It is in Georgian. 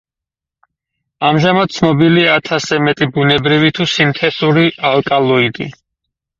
ამჟამად ცნობილია ათასზე მეტი ბუნებრივი თუ სინთეზური ალკალოიდი.